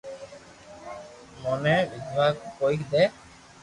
موئي وڙوا ڪوئي دي